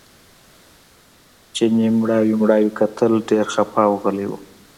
چیني مړاوي مړاوي کتل ډېر خپه او غلی و.